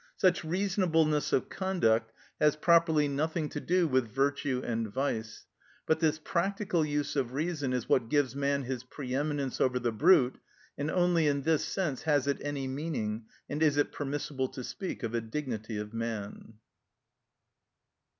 Such reasonableness of conduct has properly nothing to do with virtue and vice; but this practical use of reason is what gives man his pre eminence over the brute, and only in this sense has it any meaning and is it permissible to speak of a dignity of man.